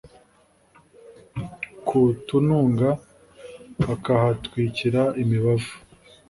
ku tununga bakahatwikira imibavu,